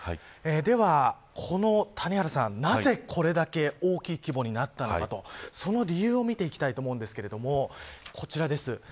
では谷原さん、なぜこれだけ大きい規模になったのかとその理由を見ていきたいと思うんですがこちらです。